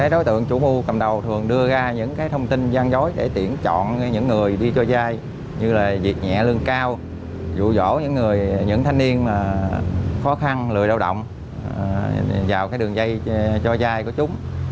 đối tượng chủ mưu cầm đầu thường đưa ra những thông tin gian dối để tiện chọn những người đi cho dai như việc nhẹ lương cao vụ vỗ những thanh niên khó khăn lười đau động vào đường dây cho dai của chúng